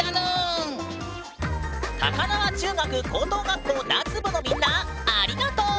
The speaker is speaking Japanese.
高輪中学高等学校ダーツ部のみんなありがとう！